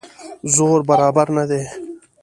زور برابر نه دی.